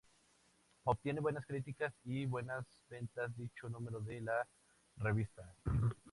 Obtiene buenas críticas y buenas ventas dicho número de la revista.